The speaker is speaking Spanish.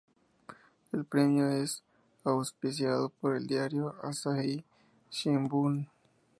El premio es auspiciado por el diario Asahi Shimbun.